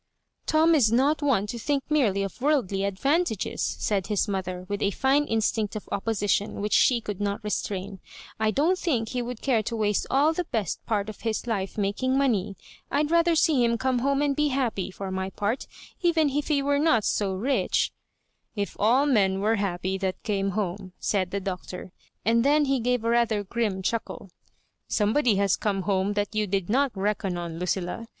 "Tom is not one to think merely of worldly advantages," said his mother, with a fine instinct of opposition which she cou,ld not restrain. "I don't think he would care to waste all the best part of his life making money. I'dj rather see him come home and be happy, for my part> even if he were not so rich p"" "If all meu were happy that oame homo^" Digitized by VjOOQIC 130 loss MAAJOBIBAKEa said the Doctor, and then he gave a rather grim chuckle. " Somebody has come home that you did not reckoq on, Lucilla.